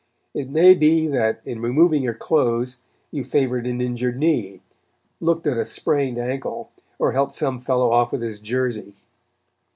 It may be that, in removing your clothes, you favored an injured knee, looked at a sprained ankle, or helped some fellow off with his jersey.